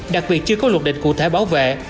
đặc biệt chưa có luật định cụ thể bảo vệ